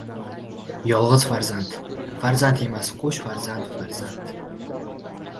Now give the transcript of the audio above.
• Yolg‘iz farzand ― farzand emas, qo‘sh farzand ― farzand.